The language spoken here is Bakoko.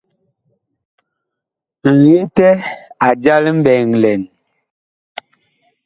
Ŋetɛ a jal mɓɛɛŋ lɛn.